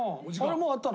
もう終わったの？